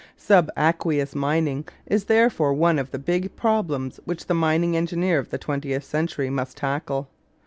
Subaqueous mining is therefore one of the big problems which the mining engineer of the twentieth century must tackle.